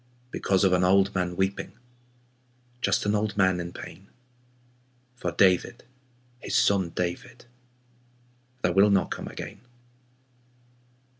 Because of an old man weeping, Just an old man in pain. For David, his son David, That will not come again.